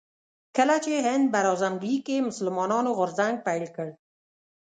کله چې هند براعظمګي کې مسلمانانو غورځنګ پيل کړ